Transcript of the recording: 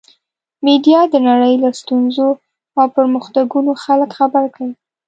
میډیا د نړۍ له ستونزو او پرمختګونو خلک خبر کړل.